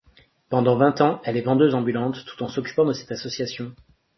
Pendant vingt ans, elle est vendeuse ambulante, tout en s'occupant de cette association.